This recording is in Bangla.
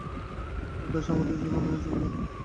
তিনি সাংবাদিক হিসেবে যোগ দেন।